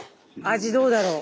味どうだろう？